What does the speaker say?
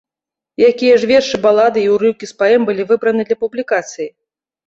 Якія ж вершы, балады і ўрыўкі з паэм былі выбраны для публікацыі?